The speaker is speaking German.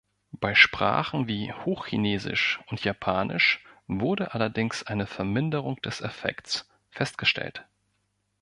Bei Sprachen wie Hochchinesisch und Japanisch wurde allerdings eine Verminderung des Effekts festgestellt.